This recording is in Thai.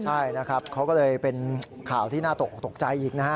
ใช่นะครับเขาก็เลยเป็นข่าวที่น่าตกออกตกใจอีกนะฮะ